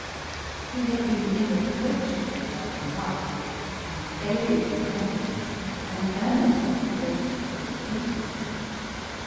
He had been irreproachably well con ducted, unfailingly courteous, and earnestly devoted to his duties.